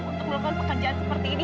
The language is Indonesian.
untuk melakukan pekerjaan seperti ini